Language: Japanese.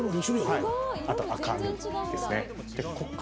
あと、赤身ですね。